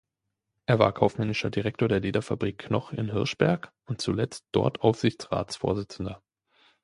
Er war kaufmännischer Direktor der Lederfabrik "Knoch" in Hirschberg und zuletzt dort Aufsichtsratsvorsitzender.